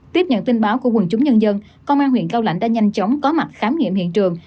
tiếp nhận tin báo của quần chúng nhân dân công an huyện cao lãnh đã nhanh chóng có mặt khám nghiệm hiện trường